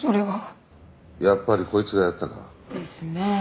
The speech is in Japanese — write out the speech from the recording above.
やっぱりこいつがやったか。ですねえ。